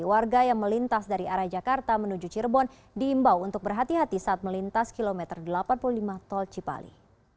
warga yang melintas dari arah jakarta menuju cirebon diimbau untuk berhati hati saat melintas kilometer delapan puluh lima tol cipali